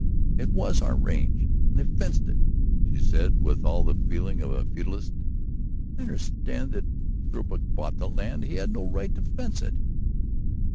"It was our range, and they fenced it!" she said, with all the feeling of a feudist. "I understand that Philbrook bought the land; he had a right to fence it."